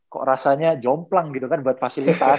kok rasanya jomplang gitu kan buat fasilitas